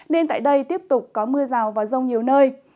nên tại đây tiếp tục có mưa rào và rông nhiều nơi